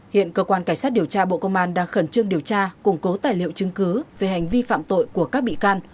hiện cơ quan cảnh sát điều tra bộ công an đang khẩn trương điều tra củng cố tài liệu chứng cứ về hành vi phạm tội của các bị can